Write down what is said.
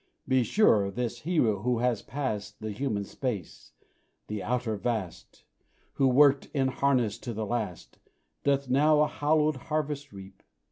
Be sure this hero who has passed The human space the outer vast Who worked in harness to the last, Doth now a hallowed harvest reap.